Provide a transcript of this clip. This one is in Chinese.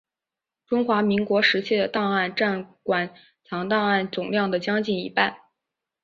中华民国时期的档案占馆藏档案总量的将近一半。